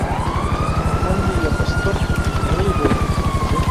خویندې یې په سترګو کې نیغې ورننوتلې.